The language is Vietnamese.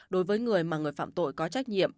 đối với người mà người phạm tội có trách nhiệm